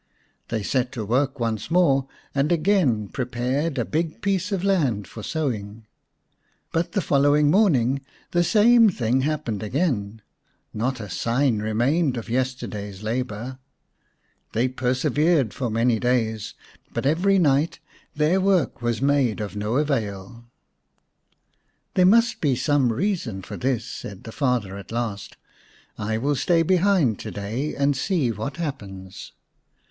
They set to work once more, and again pre pared a big piece of land for sowing. But the following morning the same thing happened again : not a sign remained of yesterday's labour. They persevered for many days, but every night their work was made of no avail. 116 x The Fairy Bird ''There must be some reason for this/' said the father at last. " I will stay behind to day, and see what happens."